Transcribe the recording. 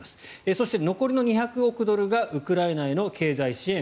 そして残りの２００億ドルがウクライナへの経済支援